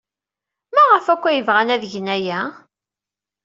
Maɣef akk ay bɣan ad gen aya?